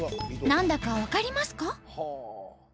何だか分かりますか？